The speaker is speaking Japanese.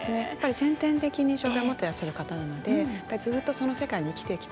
先天的に障がいを持っていらっしゃる方なのでずっとその世界に生きてきた。